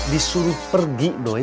disuruh pergi nyadoy